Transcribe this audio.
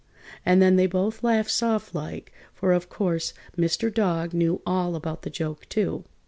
And then they both laughed soft like, for of course Mr. Dog knew all about the joke, too.